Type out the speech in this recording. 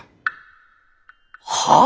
はあ！？